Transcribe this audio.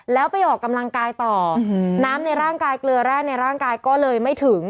แล้วไปออกกำลังกายต่อน้ำในร่างกายเกลือแร่ในร่างกายก็เลยไม่ถึง